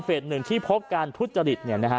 เฟส๑ที่พบการทุจจริต